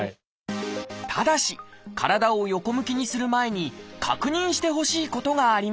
ただし体を横向きにする前に確認してほしいことがあります